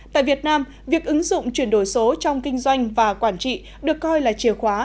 tại việt nam việc ứng dụng chuyển đổi số trong kinh doanh và quản trị được coi là chìa khóa